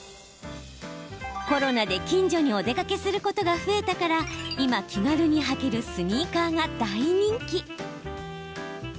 コロナで近所にお出かけすることが増えたから今、気軽に履けるスニーカーが大人気。